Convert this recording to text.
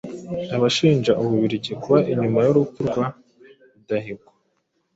Abashinja u Bubiligi kuba inyuma y’urupfu rwa Rudahigwa,